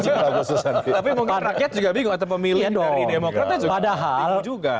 tapi mungkin rakyat juga bingung atau pemilihan dari demokratnya juga bingung juga